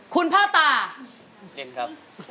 คุณพ่อตาเล่นครับ